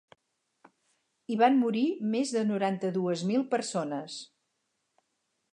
Hi van morir més de noranta-dues mil persones.